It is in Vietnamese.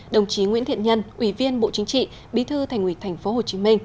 đồng chí nguyễn thiện nhân ủy viên bộ chính trị bí thư thành ủy tp hcm